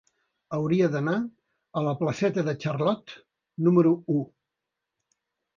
Hauria d'anar a la placeta de Charlot número u.